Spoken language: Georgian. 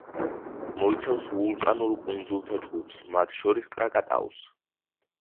მოიცავს ვულკანურ კუნძულთა ჯგუფს, მათ შორის კრაკატაუს.